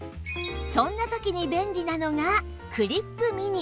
そんな時に便利なのがクリップ・ミニ